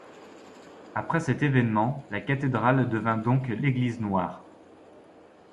Après cet événement, la cathédrale devint donc l’Église noire.